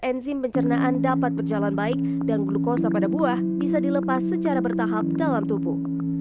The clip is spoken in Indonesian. enzim pencernaan dapat berjalan baik dan glukosa pada buah bisa dilepas secara bertahap dalam tubuh